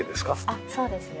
あっそうですね。